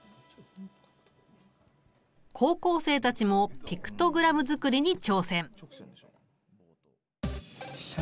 高校生たちもピクトグラム作りに挑戦！